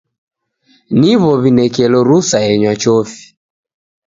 Niw'o w'inekelo rusa enywa chofi.